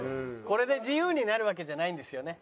これで自由になるわけじゃないんですよね？